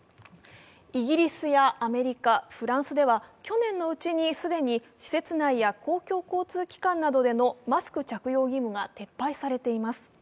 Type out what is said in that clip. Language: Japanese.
イギリスやアメリカ、フランスでは去年のうちに既に施設内や公共交通機関などでのマスク着用義務が撤廃されています。